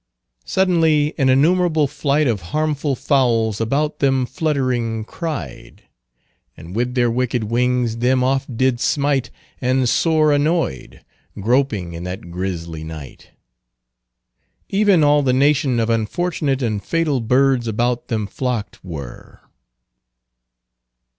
"Suddeinly an innumerable flight Of harmefull fowles about them fluttering cride, And with their wicked wings them oft did smight And sore annoyed, groping in that griesly night." "Even all the nation of unfortunate And fatal birds about them flocked were."